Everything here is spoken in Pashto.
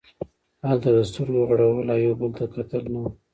هلته د سترګو غړول او یو بل ته کتل نه وو.